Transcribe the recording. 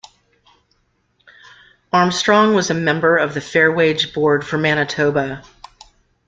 Armstrong was a member of the Fair Wage Board for Manitoba.